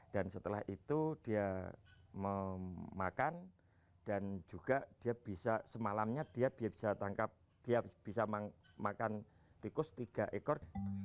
dan setelah itu dia memakan dan juga dia bisa semalamnya dia bisa tangkap dia bisa makan tikus tiga ekor